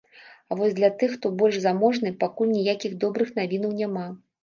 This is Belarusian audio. А вось для тых, хто больш заможны, пакуль ніякіх добрых навінаў няма.